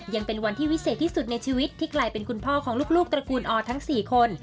ยังเป็นวันที่วิเศษที่สุดในชีวิตที่กลายเป็นคุณพ่อของลูกตระกูลอทั้ง๔คน